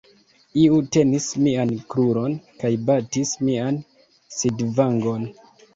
Iu tenis mian kruron kaj batis mian sidvangon.